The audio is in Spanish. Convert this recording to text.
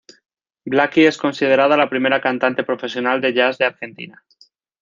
Blackie es considerada la primera cantante profesional de jazz de Argentina.